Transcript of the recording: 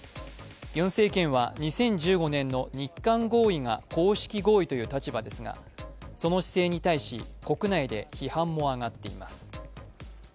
ユン政権は２０１５年の日韓合意が公式合意という立場ですがその姿勢に対し、国内で批判も上っています。